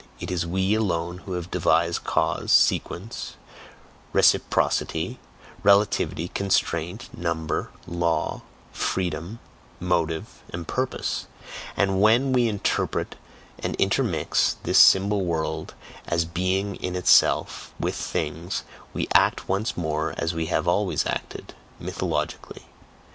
It is WE alone who have devised cause, sequence, reciprocity, relativity, constraint, number, law, freedom, motive, and purpose; and when we interpret and intermix this symbol world, as "being in itself," with things, we act once more as we have always acted MYTHOLOGICALLY.